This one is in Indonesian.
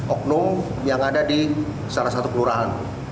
oknum yang ada di salah satu kelurahan